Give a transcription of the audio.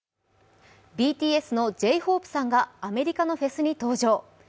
ＢＴＳのＪ−ＨＯＰＥさんがアメリカのフェスに登場。